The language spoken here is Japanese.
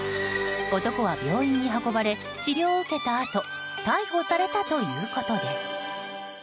男は病院に運ばれ治療を受けたあと逮捕されたということです。